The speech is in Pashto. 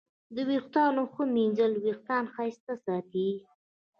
د ویښتانو ښه ږمنځول وېښتان ښایسته ساتي.